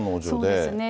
そうですね。